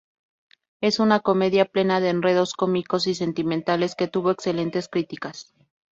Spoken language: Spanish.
Es una comedia plena de enredos cómicos y sentimentales que tuvo excelentes críticas.